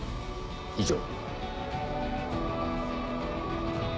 以上。